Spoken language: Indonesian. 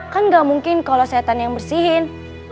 kan gak mungkin kalau setan yang bersihin